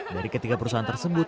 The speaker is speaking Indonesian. dari ketiga perusahaan tersebut